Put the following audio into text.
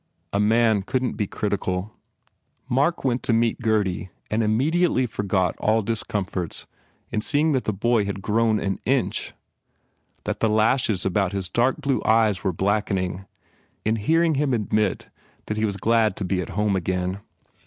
A man couldn t be critical. Mark went to meet Gurdy and immediately forgot all discomforts in seeing that the boy had grown an inch, that the lashes about his dark blue eyes were blackening, in hearing him admit that he was glad to be at home again.